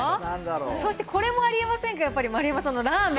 そしてこれもありますから、丸山さんのラーメン。